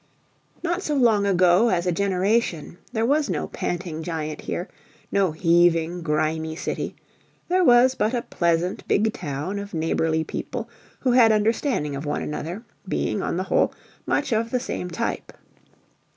Not so long ago as a generation, there was no panting giant here, no heaving, grimy city; there was but a pleasant big town of neighborly people who had understanding of one another, being, on the whole, much of the same type.